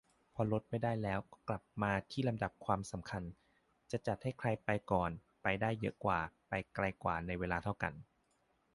พอลดไม่ได้แล้ว ก็กลับมาที่ลำดับความสำคัญ จะจัดให้ใครไปก่อน-ไปได้เยอะกว่า-ไกลกว่าในเวลาเท่ากัน